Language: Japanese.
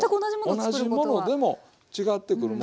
同じものでも違ってくる。